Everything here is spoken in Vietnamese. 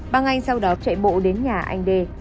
băng anh sau đó chạy bộ đến nhà anh đê